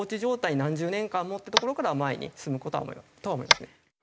何十年間もっていうところからは前に進むとは思いますね。